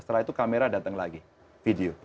setelah itu kamera datang lagi video